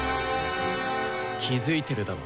気付いてるだろ。